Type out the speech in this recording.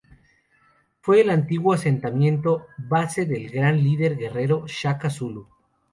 Fue el antiguo asentamiento base del gran líder guerrero Shaka Zulu.